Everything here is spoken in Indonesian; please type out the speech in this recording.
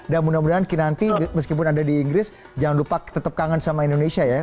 dan mudah mudahan kinanti meskipun ada di inggris jangan lupa tetap kangen sama indonesia ya